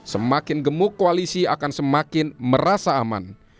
semakin gemuk koalisi akan semakin merasa aman